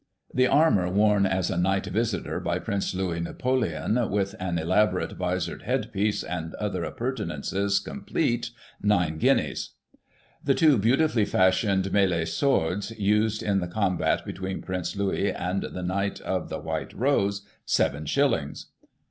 [1839 The armour worn as a Knight Visitor by Prince Louis Napoleon, with an elaborate visored headpiece, and other appurtenances complete, 9 guineas. The two beautifully fashioned mklie swords, used in the combat between Prince Louis and the Knight of the White Rose, seven shillings.